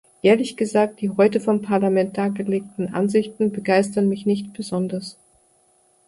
Ehrlich gesagt, die heute vom Parlament dargelegten Ansichten begeistern mich nicht besonders.